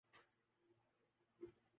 تو معرکہ کارگل کے موقع پہ نکالتے۔